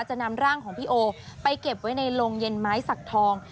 จะนำร่างของพี่โอไปเก็บไว้ในโรงเย็นไม้สักทอง